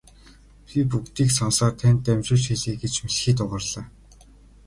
Би бүгдийг сонсоод танд дамжуулж хэлье гэж мэлхий дуугарлаа.